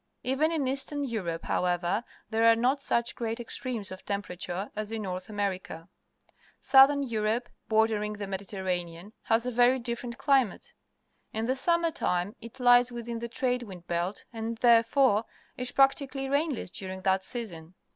Even in East ern Europe, however, there are not such great extremes of temperature as in North America. Southern Europe, bordering the Medi terranean, has a very different climate. In the summer time it lies within the trade wind belt, and, therefore, is practically rainless during that season.